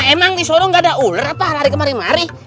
emang di sorong gak ada ular apa hari kemarin marin